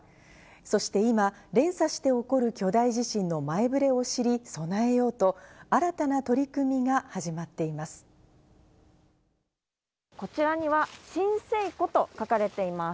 そして今、連鎖して起こる巨大地震の前触れを知り、備えようと、新たな取りこちらには、震生湖と書かれています。